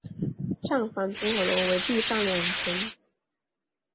站房综合楼为地上两层。